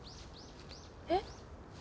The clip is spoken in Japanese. えっ？